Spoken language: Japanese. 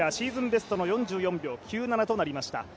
ベストの４４秒９７となりました。